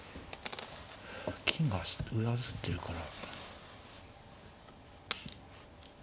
金が上ずってるから。